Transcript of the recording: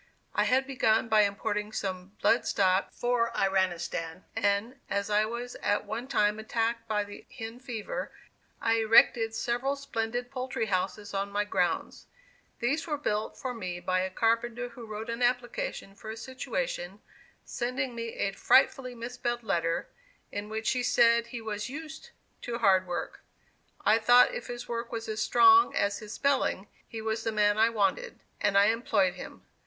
I had begun by importing some blood stock for Iranistan, and, as I was at one time attacked by the "hen fever," I erected several splendid poultry houses on my grounds. These were built for me by a carpenter who wrote an application for a situation, sending me a frightfully mis spelled letter, in which he said that he was "youste" to hard work. I thought if his work was as strong as his spelling, he was the man I wanted, and I employed him.